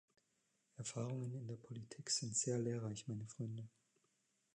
Erfahrungen in der Politik sind sehr lehrreich, meine Freunde.